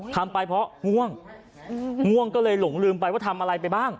ทำไปเพราะง่วงง่วงก็เลยหลงลืมไปว่าทำอะไรไปบ้าง